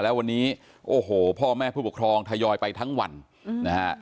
แล้ววันนี้โอ้โหพ่อแม่ผู้ปกครองทยอยไปทั้งวันนะฮะ